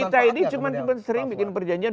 kita ini cuma sering bikin perjanjian